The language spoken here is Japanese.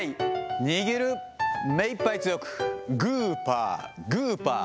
握る、めいっぱい強く、グーパー、グーパー。